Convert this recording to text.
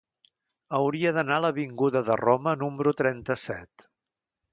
Hauria d'anar a l'avinguda de Roma número trenta-set.